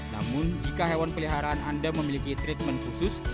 namun jika hewan peliharaan anda memiliki treatment khusus